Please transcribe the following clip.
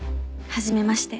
はじめまして。